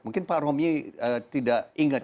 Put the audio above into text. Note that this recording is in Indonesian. mungkin pak romy tidak ingat